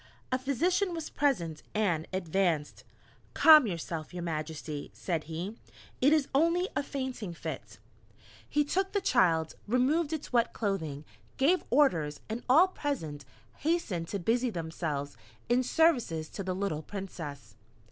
A physician was present and advanced. "Calm yourself, your Majesty," said he, "It is only a fainting fit." He took the child, removed its wet clothing, gave orders, and all present hastened to busy themselves in services to the little Princess.